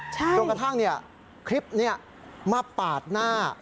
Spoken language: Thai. จนกระทั่งคลิปนี้มาปาดหน้า